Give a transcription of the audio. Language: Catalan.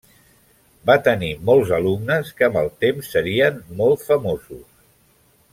Va tenir molts alumnes que amb el temps serien molt famosos.